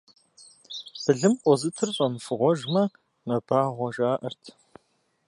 Былым къозытыр щӏэмыфыгъуэжмэ, мэбагъуэ жаӏэрт.